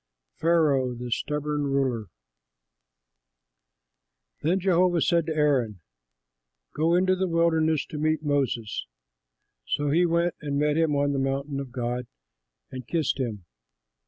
PHARAOH THE STUBBORN RULER Then Jehovah said to Aaron, "Go into the wilderness to meet Moses." So he went and met him on the mountain of God and kissed him.